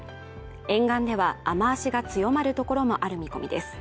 沿岸では雨脚が強まるところもある見込みです。